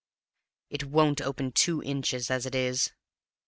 It won't open two inches as it is."